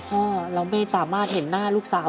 เราไม่สามารถเห็นหน้าลูกสาว